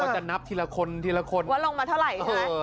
พรรดิว่าจะนับทีละคนทีละคนวันกลุ่มลงมาเท่าไหร่ใช่มั้ย